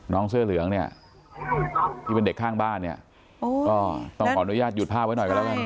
เสื้อเหลืองเนี่ยที่เป็นเด็กข้างบ้านเนี่ยก็ต้องขออนุญาตหยุดภาพไว้หน่อยกันแล้วกัน